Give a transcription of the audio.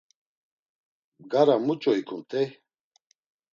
Bgara muç̌o ikumt̆ey?